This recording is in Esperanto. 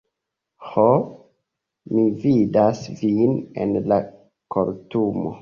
Ho, mi vidas vin en la kortumo.